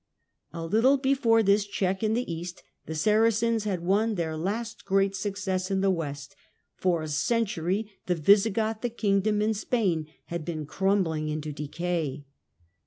A little before this check in the east the Saracens Spain, no had won their last great success in the west. For a century the Visigothic kingdom in Spain had been crumbling into decay.